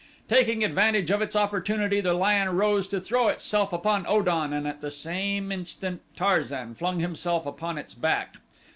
Taking advantage of its opportunity the lion rose to throw itself upon O dan and at the same instant Tarzan flung himself upon its back.